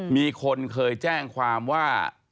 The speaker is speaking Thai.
มีคนเคยแจ้งความว่า